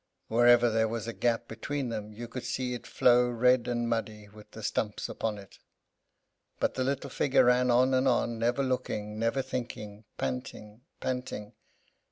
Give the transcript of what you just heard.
Wherever there was a gap between them, you could see it flow, red and muddy, with the stumps upon it. But the little figure ran on and on; never looking, never thinking; panting, panting!